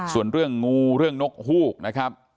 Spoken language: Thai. ส่วนเรื่องงูเรื่องนกฮูกนะครับ